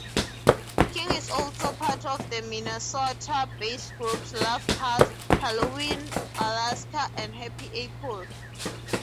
King is also part of the Minnesota-based groups Love-Cars; Halloween, Alaska; and Happy Apple.